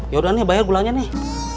yaudah nih bayar gulanya nih